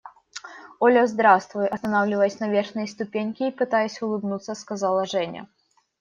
– Оля, здравствуй! – останавливаясь на верхней ступеньке и пытаясь улыбнуться, сказала Женя.